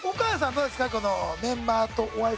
どうですか？